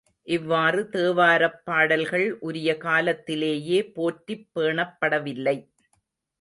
இவ்வாறு தேவாரப் பாடல்கள் உரிய காலத்திலேயே போற்றிப் பேணப்படவில்லை.